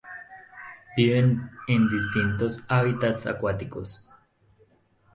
Viven en distintos hábitats acuáticos.